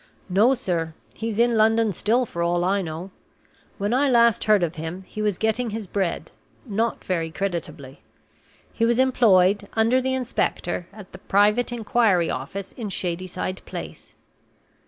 "No, sir. He's in London still, for all I know. When I last heard of him, he was getting his bread not very creditably. He was employed, under the inspector, at the Private Inquiry Office in Shadyside Place."